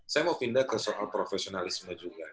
saya mau pindah ke soal profesionalisme juga